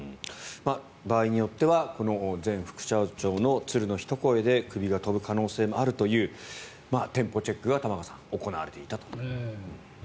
場合によってはこの前副社長の鶴のひと声でクビが飛ぶ可能性もあるという店舗チェックが行われていたと。